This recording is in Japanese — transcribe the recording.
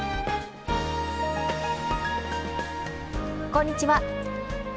こんにちは。